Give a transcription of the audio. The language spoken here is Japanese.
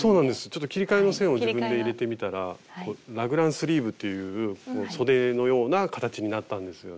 ちょっと切り替えの線を自分で入れてみたらラグランスリーブというそでのような形になったんですよね。